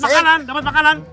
makanan dapat makanan